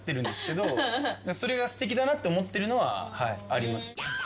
それすてきだなって思ってるのはあります。